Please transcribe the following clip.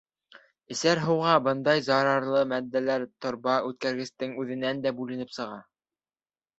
Эсәр һыуға бындай зарарлы матдәләр торба үткәргестең үҙенән дә бүленеп сыға.